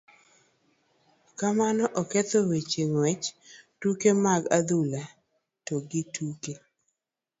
Kamano oketho weche ng'uech, tuke mag adhula to gi tuke